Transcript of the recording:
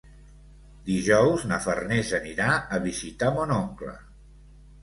Dijous na Farners anirà a visitar mon oncle.